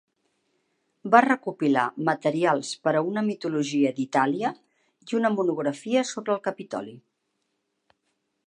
Va recopilar materials per a una mitologia d'Itàlia i una monografia sobre el Capitoli.